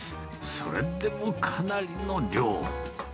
それでもかなりの量。